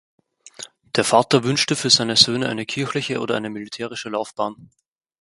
Der Vater wünschte für seine Söhne eine kirchliche oder eine militärische Laufbahn.